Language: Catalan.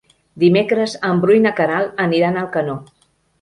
Dimecres en Bru i na Queralt aniran a Alcanó.